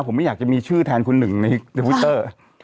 ผมไม่อยากจะมีชื่อแทนคุณหนึ่งในทวิตเตอร์